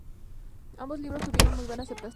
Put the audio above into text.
Ambos libros tuvieron muy buena aceptación.